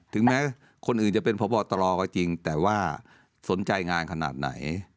ถึงแม้คนอื่นจะเป็นพบตรก็จริงแต่ว่าสนใจงานขนาดไหน